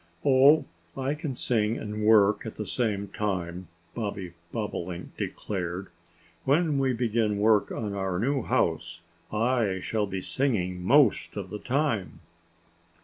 "Oh, I can sing and work at the same time," Bobby Bobolink declared. "When we begin work on our new house I shall be singing most of the time."